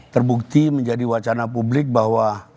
terbukti menjadi wacana publik bahwa